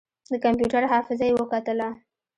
د کمپيوټر حافظه يې وکتله.